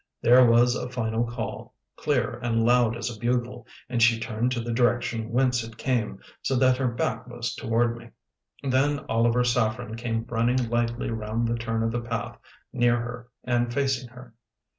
There was a final call, clear and loud as a bugle, and she turned to the direction whence it came, so that her back was toward me. Then Oliver Saffren came running lightly round the turn of the path, near her and facing her.